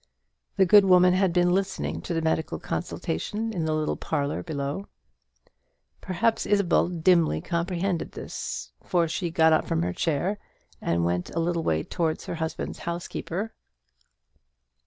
The good woman had been listening to the medical consultation in the little parlour below. Perhaps Isabel dimly comprehended this; for she got up from her chair, and went a little way towards her husband's housekeeper.